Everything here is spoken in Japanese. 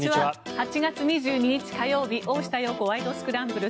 ８月２２日、火曜日「大下容子ワイド！スクランブル」。